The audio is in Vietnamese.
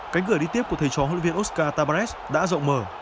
cánh gửi đi tiếp của thầy chó huấn luyện viên oscar tabarez đã rộng mở